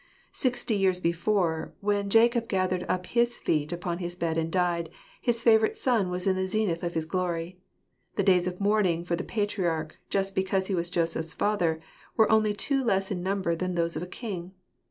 Sixty years before, when Jacob gathered up his feet upon his bed and died, his favourite son was in the zenith of his glory. The days of mourning for the patriarch, just because he was Joseph's father, were only two less in number than those of a king.